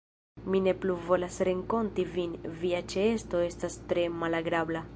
Mi ne plu volas renkonti vin, via ĉeesto estas tre malagrabla.